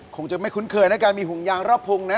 คงจะไม่คุ้นเคยนะการมีหุงยางรอบพงนะ